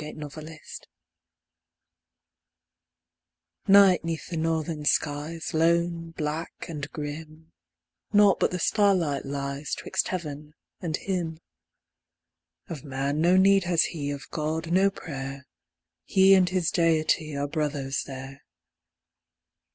THE CAMPER Night 'neath the northern skies, lone, black, and grim: Naught but the starlight lies 'twixt heaven, and him. Of man no need has he, of God, no prayer; He and his Deity are brothers there.